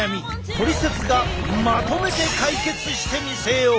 「トリセツ」がまとめて解決してみせよう！